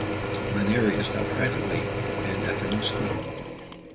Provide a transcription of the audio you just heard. Maneri has taught privately and at the New School.